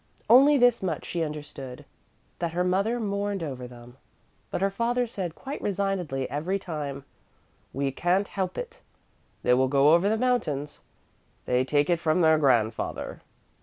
Only this much she understood, that her mother mourned over them, but her father said quite resignedly every time: "We can't help it, they will go over the mountains; they take it from their grandfather."